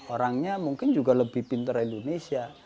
orangnya mungkin juga lebih pinter indonesia